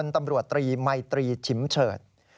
ที่ชิมเชิด